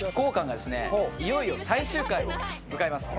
いよいよ最終回を迎えます。